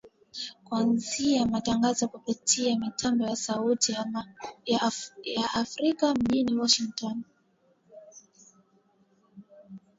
kuanzisha matangazo kupitia mitambo ya Sauti ya Amerika mjini Washington